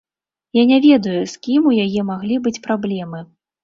Я не ведаю, з кім у яе маглі быць праблемы.